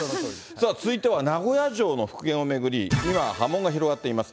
さあ、続いては名古屋城の復元を巡り、今波紋が広がっています。